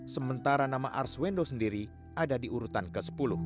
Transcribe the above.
sementara nama arswendo sendiri ada di urutan ke sepuluh